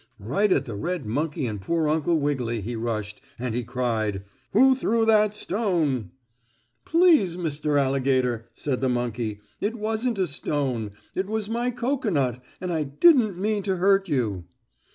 Right at the red monkey and poor Uncle Wiggily he rushed, and he cried: "Who threw that stone?" "Please, Mr. Alligator," said the monkey, "it wasn't a stone. It was my cocoanut, and I didn't mean to hurt you."